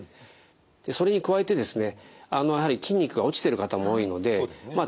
でそれに加えてですねやはり筋肉が落ちてる方も多いのでまあ